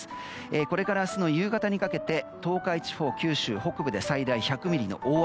これから明日の夕方にかけて東海地方、九州北部で最大１００ミリの大雨。